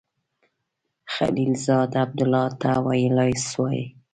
خلیلزاد عبدالله ته ویلای سوای.